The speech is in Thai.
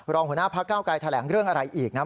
รองหัวหน้าพักเก้าไกรแถลงเรื่องอะไรอีกนะ